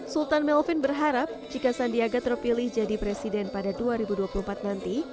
sultan melvin berharap jika sandiaga terpilih jadi presiden pada dua ribu dua puluh empat nanti